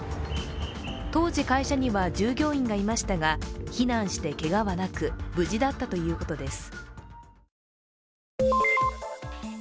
当時、会社には従業員がいましたが避難してけがはなく無事だったということです。